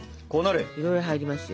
いろいろ入りますよ。